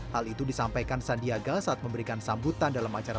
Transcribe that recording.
hal itu disampaikan sandiaga saat memberikan sambutan dalam acara